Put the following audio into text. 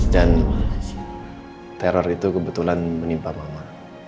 dan teror itu kebetulan menimpa mama